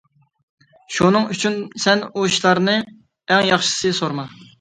شۇنىڭ ئۈچۈن سەن ئۇ ئىشلارنى ئەڭ ياخشىسى سورىما.